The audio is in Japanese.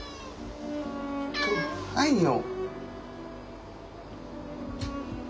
はいよ。